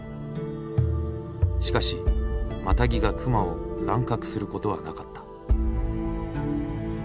しかしマタギが熊を乱獲することはなかった。